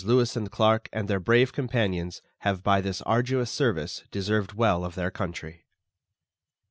Lewis and Clarke and their brave companions have by this arduous service deserved well of their country.